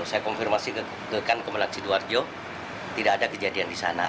saya konfirmasi ke kan kemenak sidoarjo tidak ada kejadian di sana